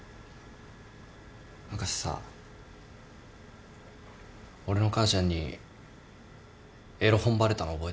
昔さ俺の母ちゃんにエロ本バレたの覚えてる？